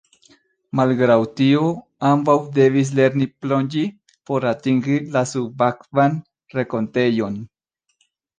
Malgraŭ tio, ambaŭ devis lerni plonĝi por atingi la subakvan renkontejon.